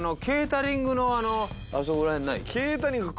あそこら辺ない？